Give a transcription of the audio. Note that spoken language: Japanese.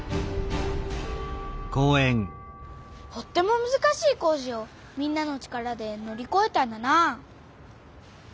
とってもむずかしい工事をみんなの力でのりこえたんだなあ。